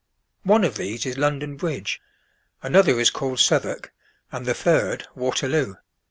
One of these is London Bridge; another is called Southwark, and the third, Waterloo.